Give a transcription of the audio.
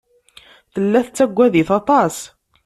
Tella tettagad-it aṭas.